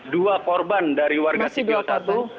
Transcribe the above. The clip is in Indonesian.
dua korban dari warga sibiotatu